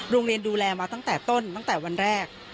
โรงเรียนดูแลมาตั้งแต่ต้นตั้งแต่วันแรก